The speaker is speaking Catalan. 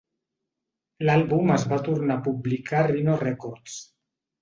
L'àlbum es va tornar a publicar a Rhino Records.